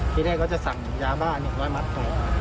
ที่แรกเขาก็จะสั่งยาบ้านอย่างร้อยมัดต่อ